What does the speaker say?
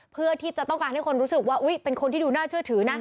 เพื่อที่จะต้องการให้คนรู้สึกว่าเป็นคนที่ดูน่าเชื่อถือนะ